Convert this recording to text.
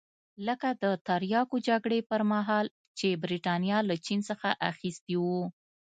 لکه د تریاکو جګړې پرمهال چې برېټانیا له چین څخه اخیستي وو.